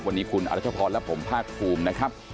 วันนี้คุณอรัชพรและผมภาคภูมินะครับ